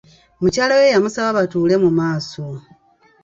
Mukyala we yamusaba batuule mu maaso.